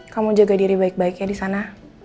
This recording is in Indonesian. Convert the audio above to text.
kamu jaga diri baik baiknya di sana